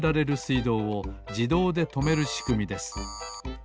いどうをじどうでとめるしくみです。